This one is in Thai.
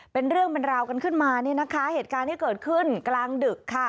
เป็นเรื่องเป็นราวกันขึ้นมาเนี่ยนะคะเหตุการณ์ที่เกิดขึ้นกลางดึกค่ะ